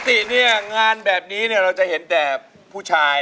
ปกติเนี่ยงานแบบนี้เราจะเห็นแต่ผู้ชาย